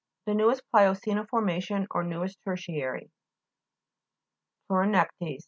The newer pliocene formation or newest tertia ry PLEU'RONECTES fr.